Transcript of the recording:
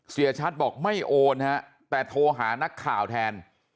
เสียชัดบอกไม่โอนฮะแต่โทรหานักข่าวแทน